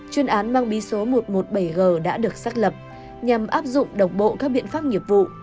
chuyên án mang bí số một trăm một mươi bảy g đã được xác lập nhằm áp dụng độc bộ các biện pháp nghiệp vụ